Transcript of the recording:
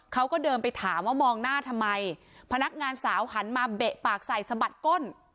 เขาก็เดินไปถามว่ามองหน้าทำไมพนักงานสาวหันมาเบะปากใส่สะบัดก้น